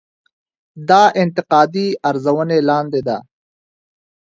دا انتقادي ارزونې لاندې ده.